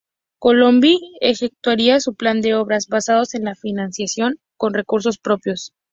Colombi ejecutaría su plan de obras, basados en la financiación con recursos propios.